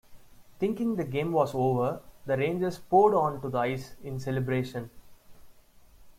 Thinking the game was over, the Rangers poured onto the ice in celebration.